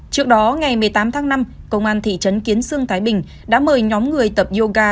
trước đó ngày một mươi tám tháng năm công an thị trấn kiến sương thái bình đã mời nhóm người tập yoga